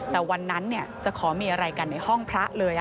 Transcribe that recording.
แต่วันนั้นจะขอมีอะไรกันในห้องพระเลย